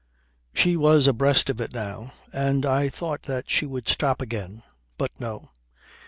She was abreast of it now and I thought that she would stop again; but no!